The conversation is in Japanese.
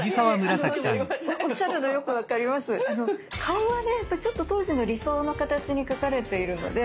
顔はね当時の理想の形に描かれているので。